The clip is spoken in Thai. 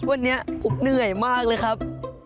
วันนี้ผมเหนื่อยมากเลยครับ